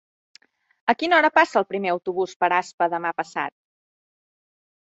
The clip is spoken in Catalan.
A quina hora passa el primer autobús per Aspa demà passat?